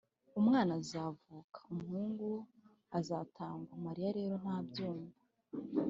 umwana azavuka, umuhungu azatangwa ». mariya rero ntabyumva